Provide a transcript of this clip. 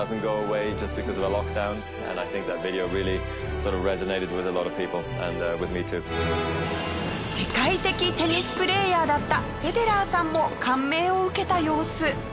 そして世界的テニスプレイヤーだったフェデラーさんも感銘を受けた様子。